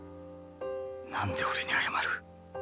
何で俺に謝る？